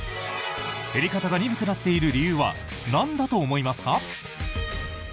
減り方が鈍くなっている理由はなんだと思いますか？